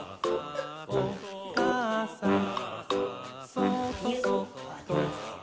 「そーっとそっと」